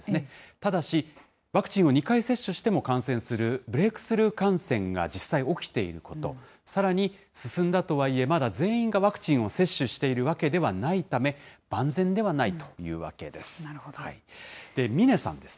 ただし、ワクチンを２回接種しても感染するブレークスルー感染が実際起きていること、さらに進んだとはいえ、まだ全員がワクチンを接種しているわけではないため、万全ではないというわけです。